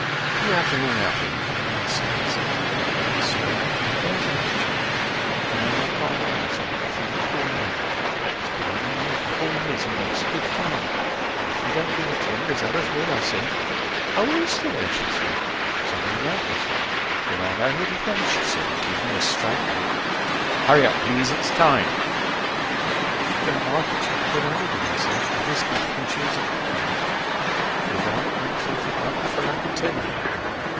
You have them all out, Lil, and get a nice set, 145 He said, I swear, I can't bear to look at you. And no more can't I, I said, and think of poor Albert, He's been in the army four years, he wants a good time, And if you don't give it him, there's others will, I said. Oh is there, she said. Something o' that, I said. 150 Then I'll know who to thank, she said, and give me a straight look. HURRY UP PLEASE ITS TIME If you don't like it you can get on with it, I said, Others can pick and choose if you can't. But if Albert makes off, it won't be for lack of telling.